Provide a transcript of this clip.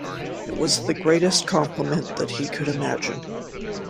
It was the greatest compliment that he could imagine.